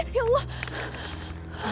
ih ya allah